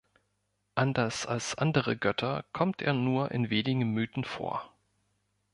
Anders als andere Götter kommt er nur in wenigen Mythen vor.